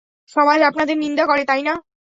সমাজ আপনাদের নিন্দা করে, তাই না?